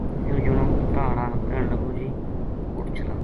یوہ جنو اونٹھاں ہاڑا نا کہن لگو جی اُٹھ چلاں